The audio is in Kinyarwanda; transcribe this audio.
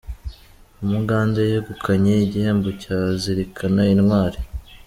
Umugande yegukanye igihembo cya "Zirikana Intwari "